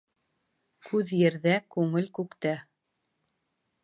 Күҙ ерҙә, күңел күктә.